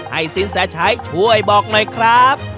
สินแสชัยช่วยบอกหน่อยครับ